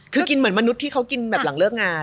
คือกินเหมือนมนุษย์ที่เขากินแบบหลังเลิกงาน